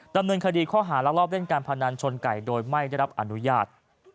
ดำเนินคดีข้อหารักรอบเล่นการพนันชนไก่โดยไม่ได้รับอนุญาต